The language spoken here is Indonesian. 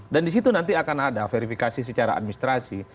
dan di situ nanti akan ada verifikasi secara administrasi